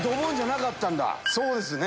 そうですね。